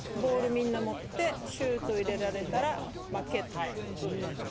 みんな持ってシュート入れられたら負けと。